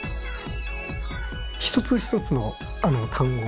一つ一つの単語